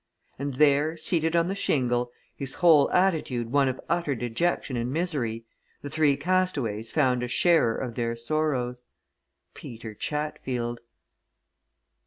And there, seated on the shingle, his whole attitude one of utter dejection and misery, the three castaways found a sharer of their sorrows Peter Chatfield!